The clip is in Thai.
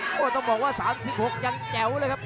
โอ้โหต้องบอกว่า๓๖ยังแจ๋วเลยครับ